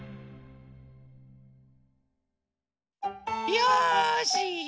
よし！